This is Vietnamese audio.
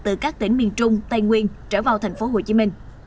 từ các tỉnh miền trung tây nguyên trở vào tp hcm